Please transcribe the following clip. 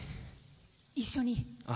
一緒に。